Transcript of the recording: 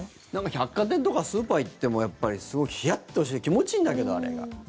百貨店とかスーパー行ってもすごいヒヤッとして気持ちいいんだけど、あれが。